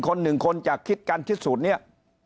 ๑คน๑คนจะคิดกันทิศสูตรเนี้ย